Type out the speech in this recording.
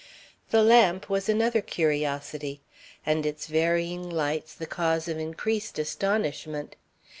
The lamp was another curiosity, and its varying lights the cause of increased astonishment.